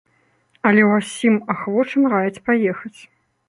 Але ўсім ахвочым раіць паехаць.